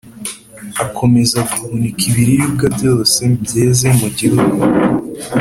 Akomeza guhunika ibiribwa byose byeze mu gihugu